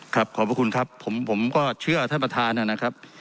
ขอบพระคุณครับผมก็เชื่อท่านประธานนะครับ